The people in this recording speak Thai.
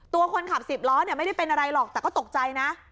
ตัวคนขับสิบล้อเนี่ยไม่ได้เป็นอะไรหรอกแต่ก็ตกใจนะ